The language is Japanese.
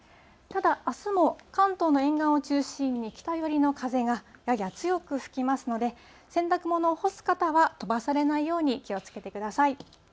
ただ、あすも関東の沿岸を中心に北寄りの風がやや強く吹きますので、洗濯物を干す方は飛ばされないように気をつけてください。